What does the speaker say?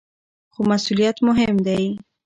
خو مسؤلیت مهم دی.